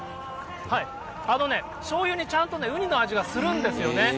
しょうゆにちゃんとウニの味がするんですよね。